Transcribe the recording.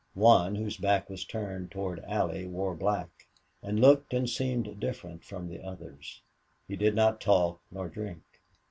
One, whose back was turned toward Allie, wore black, and looked and seemed different from the others. He did not talk nor drink.